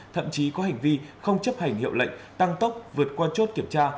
thậm chí có hành vi không chấp hành hiệu lệnh tăng tốc vượt qua chốt kiểm tra